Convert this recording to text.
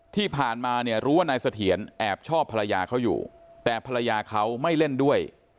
ที่ผ่านมาเนี่ยรู้ว่านายเสถียรแอบชอบภรรยาเขาอยู่แต่ภรรยาเขาไม่เล่นด้วย